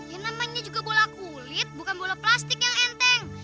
yang namanya juga bola kulit bukan bola plastik yang enteng